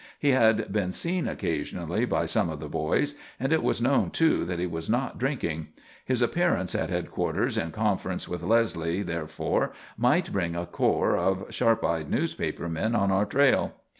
He had been seen occasionally by some of the boys, and it was known, too, that he was not drinking. His appearance at headquarters in conference with Leslie therefore might bring a corps of sharp eyed newspaper men on our trail.